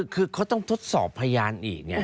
คือเขาต้องทดสอบพยานอีกไง